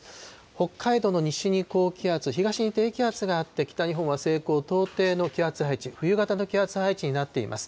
北海道の西に高気圧、東に低気圧があって、北日本は西高東低の気圧配置、冬型の気圧配置になっています。